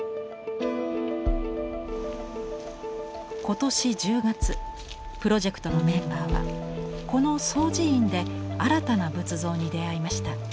今年１０月プロジェクトのメンバーはこの惣持院で新たな仏像に出会いました。